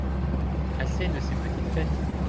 Assez de ces petites fêtes !